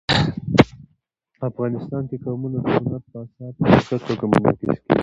افغانستان کې قومونه د هنر په اثار کې په ښه توګه منعکس کېږي.